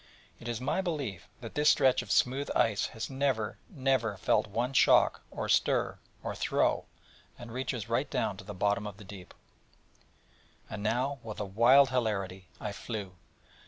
It is my belief that this stretch of smooth ice has never, never felt one shock, or stir, or throe, and reaches right down to the bottom of the deep. And now with a wild hilarity I flew.